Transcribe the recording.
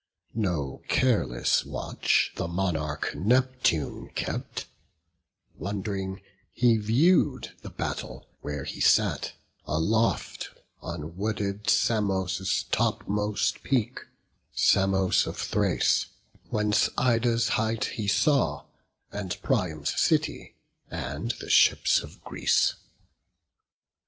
No careless watch the monarch Neptune kept: Wond'ring, he view'd the battle, where he sat Aloft on wooded Samos' topmost peak, Samos of Thrace; whence Ida's heights he saw, And Priam's city, and the ships of Greece.